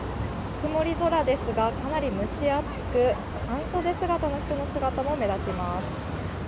曇り空ですが、かなり蒸し暑く半袖姿の人も目立ちます。